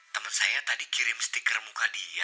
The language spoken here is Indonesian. temen saya tadi kirim stiker muka dia